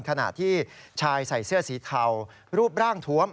ขณะที่ชายใส่เสื้อสีเทารูปร่างทวม